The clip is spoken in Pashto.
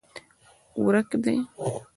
ورک دي